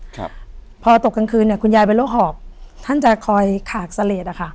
ครับพอตกกลางคืนเนี้ยคุณยายเป็นโรคหอบท่านจะคอยขากเสลดอ่ะค่ะ